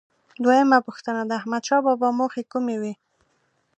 دویمه پوښتنه: د احمدشاه بابا موخې کومې وې؟